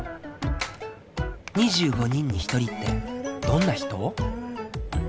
２５人に１人ってどんな人？